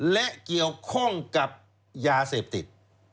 และเกี่ยวข้องกับยาเสพติด